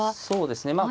そうですね